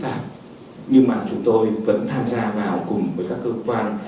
tài sản số nó sẽ là một cái phức tạp nhưng mà chúng tôi vẫn tham gia vào cùng với các cơ quan